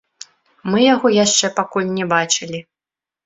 Мы яго яшчэ пакуль не бачылі.